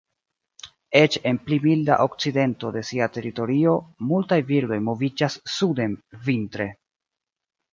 Eĉ en pli milda okcidento de sia teritorio, multaj birdoj moviĝas suden vintre.